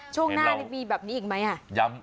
ช่วงหน้ามีอีกมะ